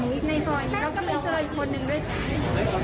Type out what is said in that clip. ไม่กล้าเข้าใกล้เลยครับ